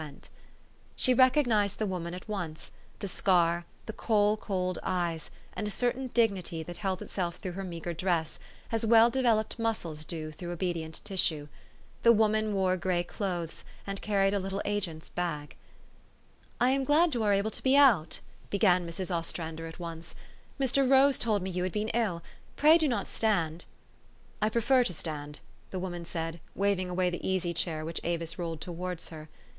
THE STORY OF AVIS. 295 She recognized the woman at once ; the scar, the coal cold eyes, and a certain dignity that held itself through her meagre dress, as well developed muscles do through obedient tissue. The woman wore gray clothes, and carried a little agent's bag. " I am glad you are able to be out," began Mrs. Ostrander at once. "Mr. Rose told me you had been ill. Pray do not stand." "I prefer to stand," the woman said, waving away the easy chair which Avis rolled towards her.